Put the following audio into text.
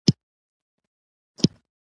که انسان د صبر لمنه ټينګه کړي.